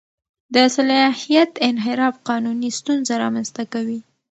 د صلاحیت انحراف قانوني ستونزه رامنځته کوي.